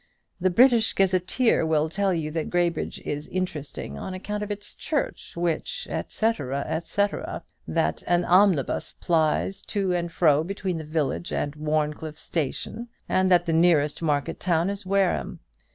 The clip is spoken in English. The 'British Gazetteer' will tell you that Graybridge is interesting on account of its church, which, &c. &c. that an omnibus plies to and fro between the village and Warncliffe station; and that the nearest market town is Wareham.